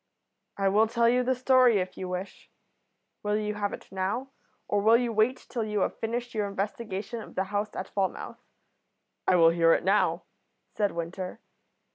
"I will tell you the story if you wish. Will you have it now, or will you wait till you have finished your investigation of the house at Falmouth?" "I will hear it now," said Winter.